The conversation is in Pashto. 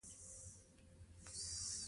د جهیل اوبه ګرمېږي.